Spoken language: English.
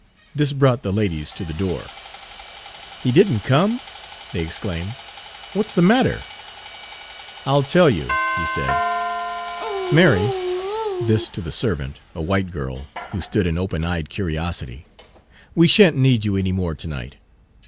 This brought the ladies to the door. "He did n't come?" they exclaimed. "What's the matter?" "I'll tell you," he said. "Mary," this to the servant, a white girl, who stood in open eyed curiosity, "we shan't need you any more to night."